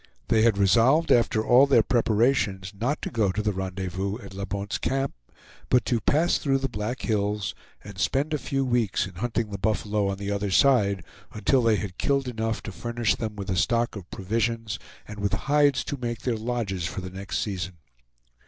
They had resolved after all their preparations not to go to the rendezvous at La Bonte's Camp, but to pass through the Black Hills and spend a few weeks in hunting the buffalo on the other side, until they had killed enough to furnish them with a stock of provisions and with hides to make their lodges for the next season.